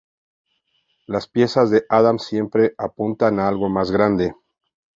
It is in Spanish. Las piezas de Adams siempre apuntan a algo más grande.